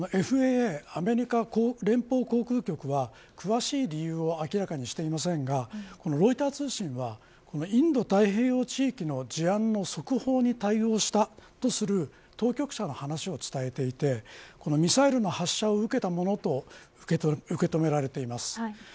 ＦＡＡアメリカ連邦航空局は詳しい理由を明らかにしていませんがロイター通信はインド太平洋地域の事案の速報に対応したとする当局者の話を伝えていてミサイルの発射を受けたものと受け止められています。